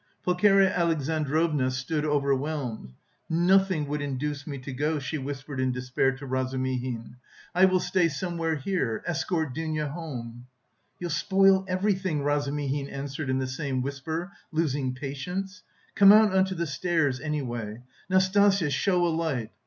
Pulcheria Alexandrovna stood overwhelmed. "Nothing would induce me to go," she whispered in despair to Razumihin. "I will stay somewhere here... escort Dounia home." "You'll spoil everything," Razumihin answered in the same whisper, losing patience "come out on to the stairs, anyway. Nastasya, show a light!